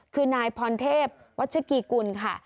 คือนายพรเทพวัชกีกุลค่ะ